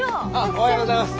おはようございます。